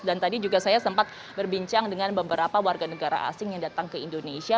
dan tadi juga saya sempat berbincang dengan beberapa warga negara asing yang datang ke indonesia